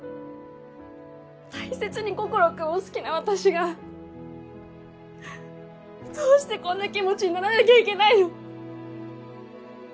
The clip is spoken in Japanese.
大切に心君を好きな私がどうしてこんな気持ちにならなきゃいけないの？